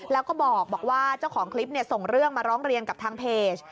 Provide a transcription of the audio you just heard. แล้วก็บอกว่าเจ้าของคลิปส่งเรื่องมาร้องเรียนกับทางเพจ